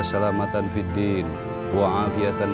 di adalah kakak kandung dari pun